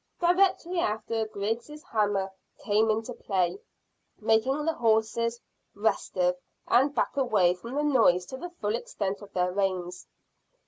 Directly after, Griggs' hammer came into play, making the horses restive and back away from the noise to the full extent of their reins.